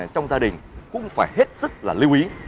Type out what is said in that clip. trong gia đình cũng phải hết sức là lưu ý